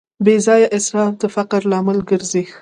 بېځایه اسراف د فقر لامل ګرځي.